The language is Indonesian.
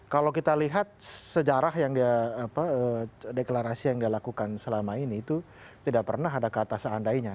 kalau kita lihat sejarah yang dia deklarasi yang dia lakukan selama ini itu tidak pernah ada kata seandainya